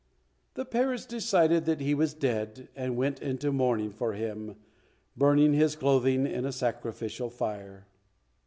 The parents decided that he was dead and went into mourning for him, burning his clothing in a sacrificial fire.